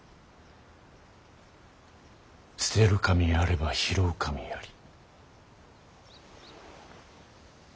捨てる神あれば拾う神あり。